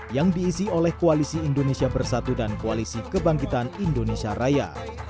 yang diisi oleh koalisi indonesia bersatu dan koalisi kebangkitan indonesia raya